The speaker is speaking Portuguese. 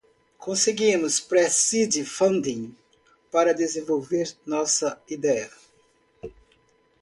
Conseguimos pre-seed funding para desenvolver nossa ideia.